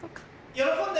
喜んで。